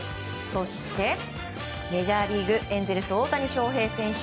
そして、メジャーリーグエンゼルス、大谷翔平選手。